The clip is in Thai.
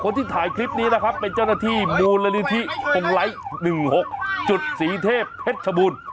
คนที่ถ่ายคลิปนี้นะครับเป็นเจ้าหน้าที่มูลนิธิปงไลท์๑๖จุดศรีเทพเพชรชบูรณ์